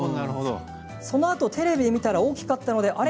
そのあと、テレビを見たら大きかったのであれ？